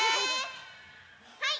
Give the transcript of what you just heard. はい！